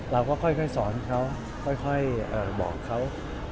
เราก็ค่อยสอนเขาค่อยบอกเขา